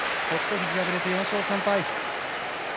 富士、敗れて４勝３敗。